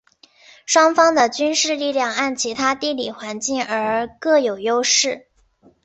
双方的军事力量按其地理环境而各有优势。